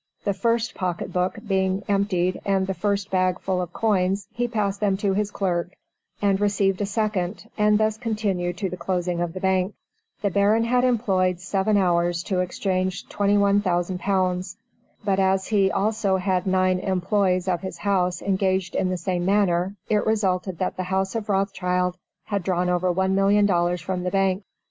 The first pocket book being emptied and the first bag full of coins, he passed them to his clerk, and received a second, and thus continued to the closing of the bank. The Baron had employed seven hours to exchange twenty one thousand pounds. But as he also had nine employes of his house engaged in the same manner, it resulted that the house of Rothschild had drawn over $1,000,000 from the bank.